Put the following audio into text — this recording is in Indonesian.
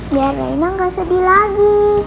biar rena nggak sedih lagi